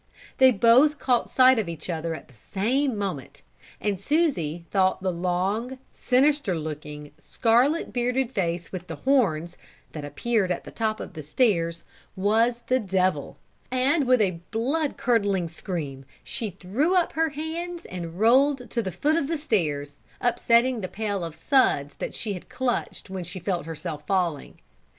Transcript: They both caught sight of each other at the same moment, and Susie thought the long, sinister looking, scarlet bearded face with the horns, that appeared at the top of the stairs, was the devil; and with a blood curdling scream she threw up her hands and rolled to the foot of the stairs, upsetting the pail of suds that she had clutched when she felt herself falling.